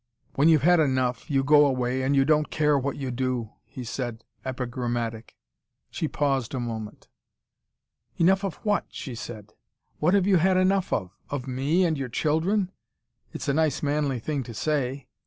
"When you've had enough, you go away and you don't care what you do," he said, epigrammatic. She paused a moment. "Enough of what?" she said. "What have you had enough of? Of me and your children? It's a nice manly thing to say.